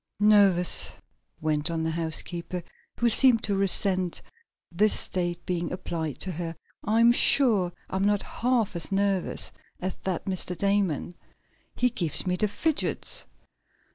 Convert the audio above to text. "Nervous!" went on the housekeeper, who seemed to resent this state being applied to her. "I'm sure I'm not half as nervous as that Mr. Damon. He gives me the fidgets."